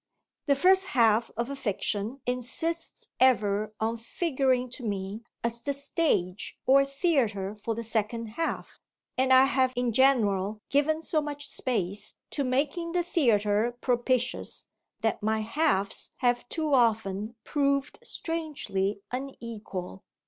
The first half of a fiction insists ever on figuring to me as the stage or theatre for the second half, and I have in general given so much space to making the theatre propitious that my halves have too often proved strangely unequal.